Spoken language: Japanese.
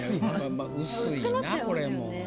薄いなこれも。